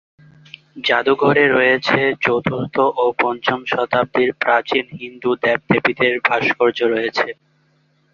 জাদুঘরে রয়েছে চতুর্থ ও পঞ্চম শতাব্দীর প্রাচীন হিন্দু দেবদেবীদের ভাস্কর্য রয়েছে।